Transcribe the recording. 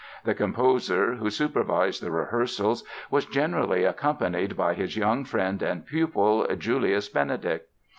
The composer, who supervised the rehearsals, was generally accompanied by his young friend and pupil, Julius Benedict.